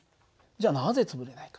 じゃあなぜ潰れないか。